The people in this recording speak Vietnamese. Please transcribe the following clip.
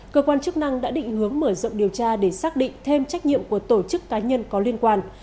cơ quan chức năng đã định hướng mở rộng điều tra để xác định thêm trách nhiệm của tổ chức cá nhân có liên quan